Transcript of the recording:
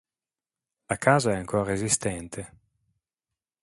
La casa è ancora esistente.